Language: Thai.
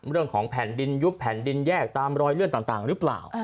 เรื่องของแผ่นดินยุบแผ่นดินแยกตามรอยเลือดต่างหรือเปล่า